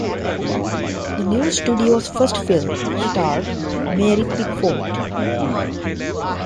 The new studio's first film starred Mary Pickford.